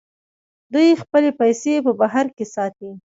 دوی خپلې پیسې په بهر کې ساتي.